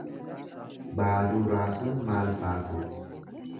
Baaduu raasuun maal baasuuf.